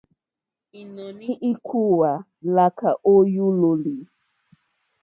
Ínɔ̀ní íkòòwà lǎkà ó yúlòlì.